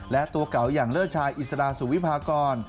และตัวเก่าอย่างเลิศชายอิสดาสุวิพากร